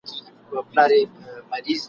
په مشاعره کي دیکلمه کړی دی ..